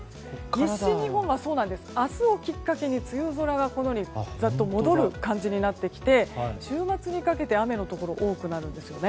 西日本は明日をきっかけに梅雨空がざっと戻る感じになってきて週末にかけて雨のところが多くなるんですよね。